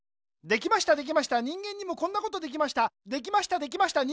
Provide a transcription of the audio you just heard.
できましたできました人間にもこんなことできました。